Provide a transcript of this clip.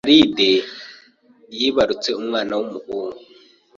Alide yibarutse umwana w’umuhungu